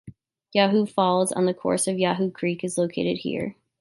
Yahoo Falls on the course of Yahoo Creek is located here.